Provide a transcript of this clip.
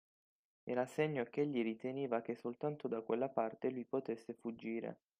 Era segno ch'egli riteneva che soltanto da quella parte lui potesse fuggire.